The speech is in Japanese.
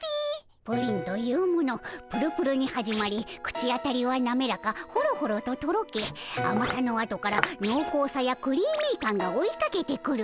プリンというものぷるぷるに始まり口当たりはなめらかほろほろととろけあまさの後からのうこうさやクリーミー感が追いかけてくる。